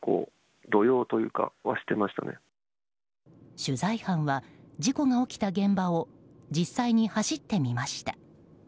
取材班は、事故が起きた現場を実際に走ってみました。